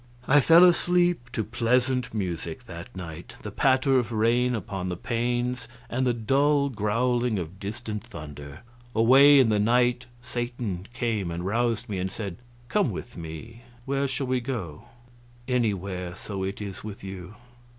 I fell asleep to pleasant music that night the patter of rain upon the panes and the dull growling of distant thunder. Away in the night Satan came and roused me and said: "Come with me. Where shall we go?" "Anywhere so it is with you."